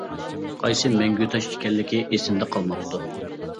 قايسى مەڭگۈ تاش ئىكەنلىكى ئېسىمدە قالماپتۇ.